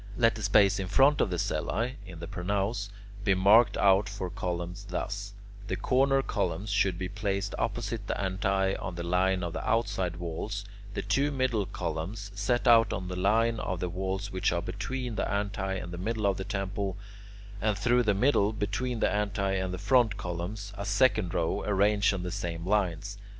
Let the space in front of the cellae, in the pronaos, be marked out for columns thus: the corner columns should be placed opposite the antae on the line of the outside walls; the two middle columns, set out on the line of the walls which are between the antae and the middle of the temple; and through the middle, between the antae and the front columns, a second row, arranged on the same lines.